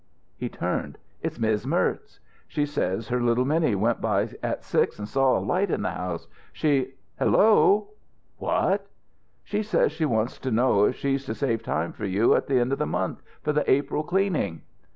He turned: "It's Miz' Merz. She says her little Minnie went by at six and saw a light in the house. She Hello! What?... She says she wants to know if she's to save time for you at the end of the month for the April cleaning."